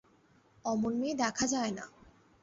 অমন মেয়ে দেখা যায় না।